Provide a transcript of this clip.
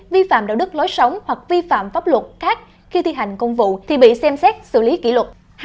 vi phạm đạo đức lối sống hoặc vi phạm pháp luật khác khi thi hành công vụ thì bị xem xét xử lý kỷ luật